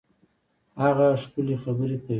هغه ښکلي خبري کوي.